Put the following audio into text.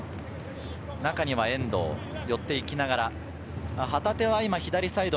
中には遠藤、寄っていきながら旗手は今、左サイド。